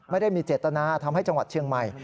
ไม่ได้มีเจตนาทำให้จังหวัดเชียงใหม่